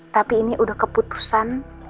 tapi ini udah keputusan